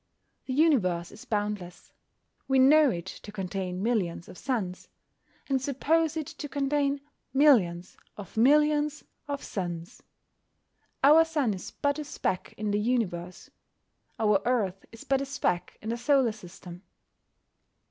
The universe is boundless. We know it to contain millions of suns, and suppose it to contain millions of millions of suns. Our sun is but a speck in the universe. Our earth is but a speck in the solar system.